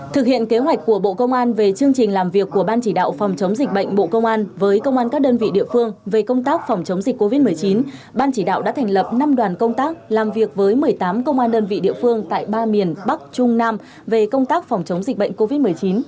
thực hiện kế hoạch của bộ công an về chương trình làm việc của ban chỉ đạo phòng chống dịch bệnh bộ công an với công an các đơn vị địa phương về công tác phòng chống dịch covid một mươi chín ban chỉ đạo đã thành lập năm đoàn công tác làm việc với một mươi tám công an đơn vị địa phương tại ba miền bắc trung nam về công tác phòng chống dịch bệnh covid một mươi chín